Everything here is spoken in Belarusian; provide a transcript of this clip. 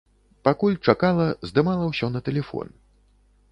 Пакуль чакала, здымала ўсё на тэлефон.